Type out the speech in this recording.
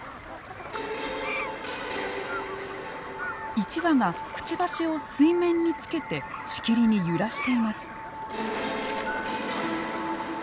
１羽がくちばしを水面につけてしきりに揺らしています。